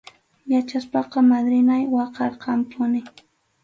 Yachaspaqa madrinay waqarqanpunim.